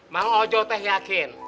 mak ojo teh yakin